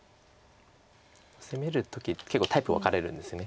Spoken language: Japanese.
攻める時結構タイプ分かれるんですよね。